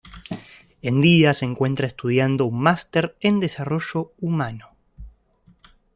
En día se encuentra estudiando un máster en Desarrollo Humano.